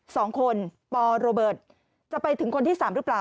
สองคนปโรเบิร์ตจะไปถึงคนที่สามหรือเปล่า